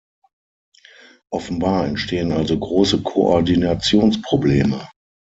Offenbar entstehen also große Koordinationsprobleme.